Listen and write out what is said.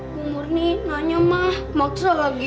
bu murni nanya mah maksa lagi